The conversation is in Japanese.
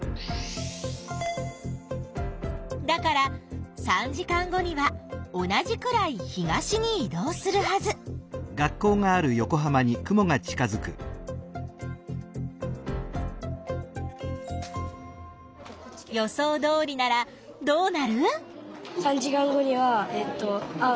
だから３時間後には同じくらい東にい動するはず。予想どおりならどうなる？